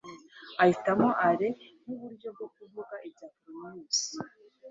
ahitamo henry v nk'uburyo bwo kuvuga ibya polonius